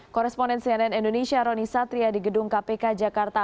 koresponen cnn indonesia roni satria di gedung kpk jakarta